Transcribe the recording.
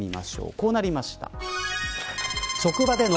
こうなりました。